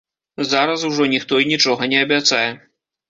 Зараз ужо ніхто і нічога не абяцае.